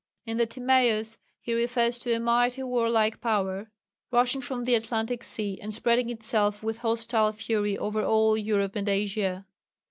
In the Timæus he refers to "a mighty warlike power, rushing from the Atlantic sea and spreading itself with hostile fury over all Europe and Asia.